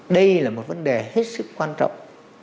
đây là một vấn đề hết sức quan trọng